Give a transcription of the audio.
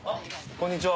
こんにちは。